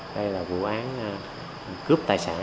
đây là vụ án cướp tài sản